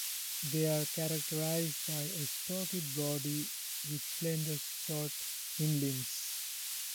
They are characterized by a stocky body with slender, short hindlimbs.